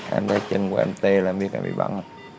em thấy chân của em tê là em biết là bị bắn